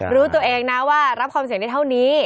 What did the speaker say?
รู้ตัวเองนะว่ารับความเสี่ยงได้เท่านี้